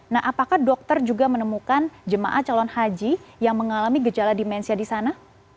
nah apakah dokter juga menemukan jemaah calon haji yang mengalami gejala dimensia di sana